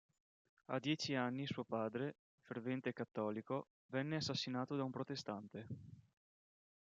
A dieci anni suo padre, fervente cattolico, venne assassinato da un protestante.